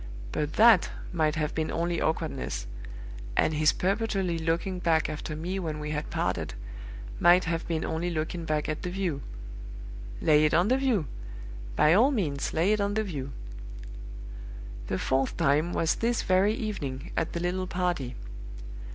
But that might have been only awkwardness; and his perpetually looking back after me when we had parted might have been only looking back at the view. Lay it on the view; by all means, lay it on the view! The fourth time was this very evening, at the little party.